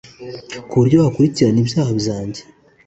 ku buryo wakurikirana ibyaha byanjye